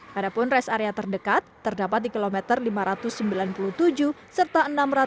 padahal rest area terdekat terdapat di kilometer lima ratus sembilan puluh tujuh serta enam ratus sembilan puluh